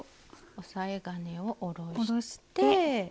押さえ金を下ろして。